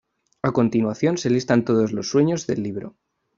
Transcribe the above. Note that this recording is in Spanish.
A continuación se listan todos los sueños del libro.